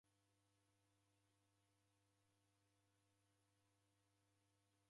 Odeka na malaria